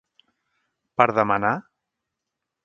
Per demanar??